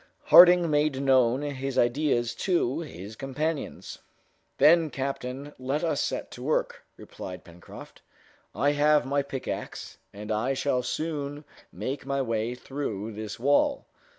Harding made known his ideas to his companions. "Then, captain, let us set to work!" replied Pencroft. "I have my pickaxe, and I shall soon make my way through this wall.